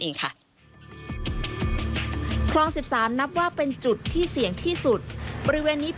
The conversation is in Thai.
เองค่ะคลอง๑๓นับว่าเป็นจุดที่เสี่ยงที่สุดบริเวณนี้